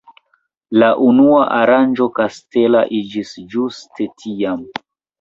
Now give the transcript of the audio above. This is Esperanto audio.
La unua aranĝo kastela iĝis ĝuste tiam.